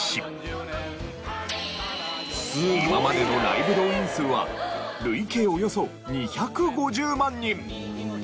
今までのライブ動員数は累計およそ２５０万人！